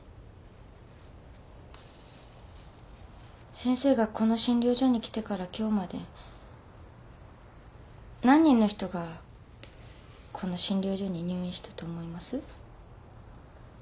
先生がこの診療所に来てから今日まで何人の人がこの診療所に入院したと思います？